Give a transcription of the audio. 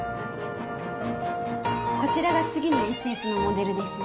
こちらが次のＳＳのモデルですね